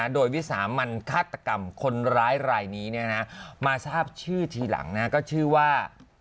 โดยวิสามันฆาตกรรมคนร้ายรายนี้มาทราบชื่อทีหลังก็ชื่อว่า